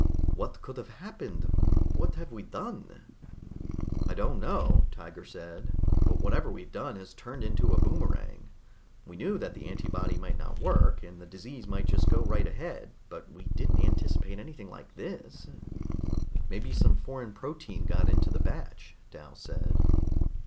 "What could have happened? What have we done?" "I don't know," Tiger said. "But whatever we've done has turned into a boomerang. We knew that the antibody might not work, and the disease might just go right ahead, but we didn't anticipate anything like this." "Maybe some foreign protein got into the batch," Dal said.